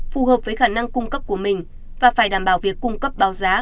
phù hợp với khả năng cung cấp của mình và phải đảm bảo việc cung cấp báo giá